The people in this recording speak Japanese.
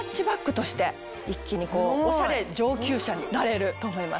一気にオシャレ上級者になれると思います。